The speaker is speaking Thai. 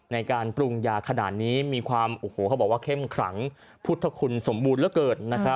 ในการปรุงยาขนาดนี้มีความเข้มขลังพุทธคุณสมบูรณ์และเกิด